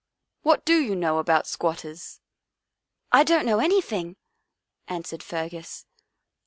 What do you know about squatters?" " I don't know anything," answered Fergus.